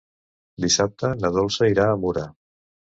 Dissabte na Dolça irà a Mura.